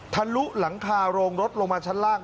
ทะลุหลังคาโรงรถลงมาชั้นล่าง